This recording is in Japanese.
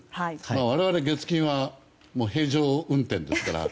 我々、月金は平常運転ですから。